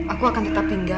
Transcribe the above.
aku akan tetap tinggal